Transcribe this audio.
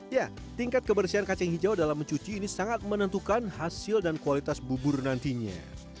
ya tingkat kebersihan kacang hijau dalam mencuci ini sangat menentukan hasil dan kualitas bubur nantinya